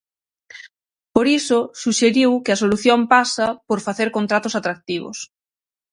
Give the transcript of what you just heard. Por iso, suxeriu que a solución pasa "por facer contratos atractivos".